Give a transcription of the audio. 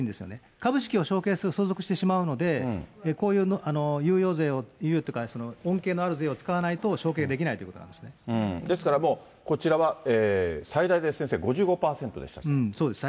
株式を承継する、相続してしまうので、こういう猶予税を、猶予というか、恩恵のある税を使わないと承継できないということですからもう、こちらは最大で先生、５５％でしたっけ。